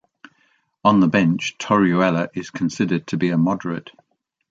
On the bench, Torruella is considered to be a moderate.